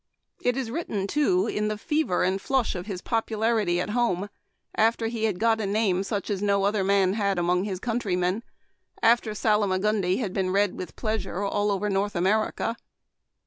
It is written too in the fervor and flush of his popularity at home, after he had got a name such as no other man had among his countrymen ; after Salma gundi had been read with pleasure all over North America.